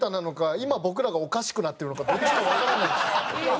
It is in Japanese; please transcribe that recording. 今僕らがおかしくなってるのかどっちかわからないです。